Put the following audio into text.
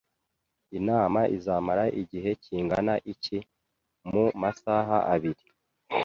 "Inama izamara igihe kingana iki?" "Mu masaha abiri."